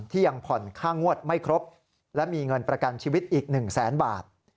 ยังผ่อนค่างวดไม่ครบและมีเงินประกันชีวิตอีก๑แสนบาท